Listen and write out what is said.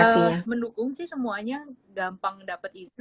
ya karena mereka mendukung sih semuanya gampang dapat itu